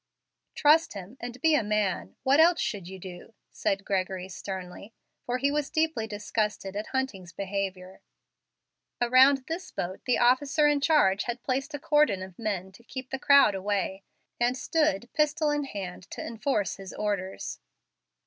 "Trust Him, and be a man. What else should you do?" said Gregory, sternly, for he was deeply disgusted at Hunting's behavior. Around this boat the officer in charge had placed a cordon of men to keep the crowd away, and stood pistol in hand to enforce his orders.